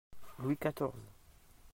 Louis XIV.